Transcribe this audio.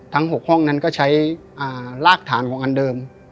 ๖ห้องนั้นก็ใช้รากฐานของอันเดิม